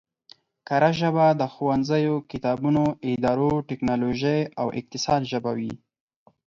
کره ژبه د ښوونځیو، کتابونو، ادارو، ټکنولوژۍ او اقتصاد ژبه وي